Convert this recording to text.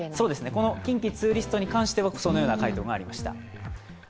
この近畿日本ツーリストについてはこのような回答がありました。